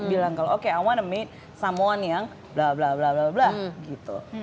bilang kalau oke i wanna meet someone yang bla bla bla bla bla gitu